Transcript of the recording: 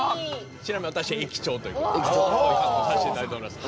ちなみに私駅長ということでこういう格好させて頂いております。